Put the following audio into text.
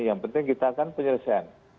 yang penting kita akan penyelesaian